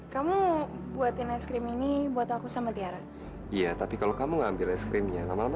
kamu buatin es krim ini buat aku sama tiara iya tapi kalau kamu ngambil es krimnya lama lama